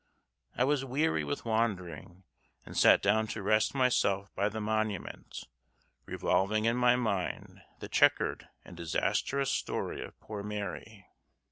I was weary with wandering, and sat down to rest myself by the monument, revolving in my mind the chequered and disastrous story of poor Mary.